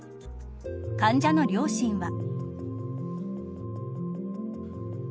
患者の両親は。